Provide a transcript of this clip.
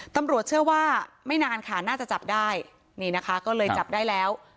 ตำรวจเชื่อว่าไม่นานค่ะน่าจะจับได้นี่นะคะก็เลยจับได้แล้ว